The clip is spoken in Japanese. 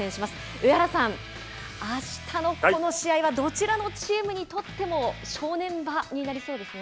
上原さん、あしたのこの試合はどちらのチームにとっても正念場になりそうですね。